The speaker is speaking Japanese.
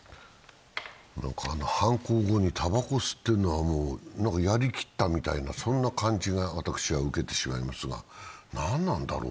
犯行後にたばこを吸っているのは、何かやりきったみたいなそんな感じが私は受けてしまいますが、何なんだろう？